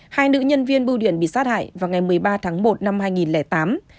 hai nữ nhân viên bưu điện bị sát hại vào ngày một mươi ba tháng một năm hai nghìn tám